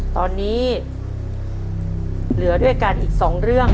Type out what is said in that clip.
ตอนนี้เหลือด้วยกันอีก๒เรื่อง